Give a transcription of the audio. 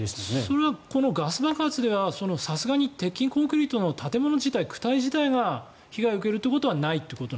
それはこのガス爆発ではさすがに鉄筋コンクリートの建物自体躯体自体が被害を受けるということはないと。